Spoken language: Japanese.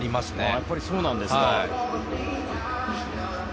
やっぱりそうなんですか。